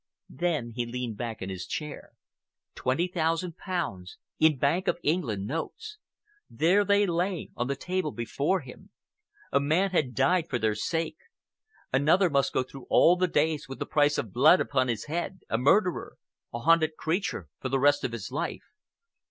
Then he leaned back in his chair. Twenty thousand pounds in Bank of England notes! There they lay on the table before him. A man had died for their sake,—another must go through all the days with the price of blood upon his head—a murderer—a haunted creature for the rest of his life.